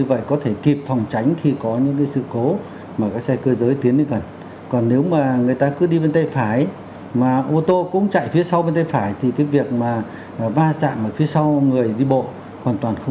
và theo ông thì chúng ta có nên làm cách nào đó